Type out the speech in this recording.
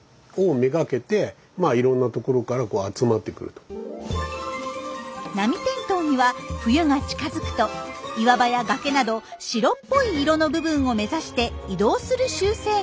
ではナミテントウには冬が近づくと岩場や崖など白っぽい色の部分を目指して移動する習性があります。